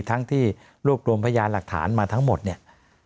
ทั้งที่รวบรวมพยานหลักฐานมาทั้งหมดเนี่ย